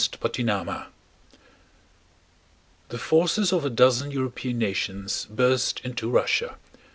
CHAPTER II The forces of a dozen European nations burst into Russia.